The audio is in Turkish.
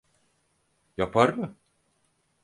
Yapar mı?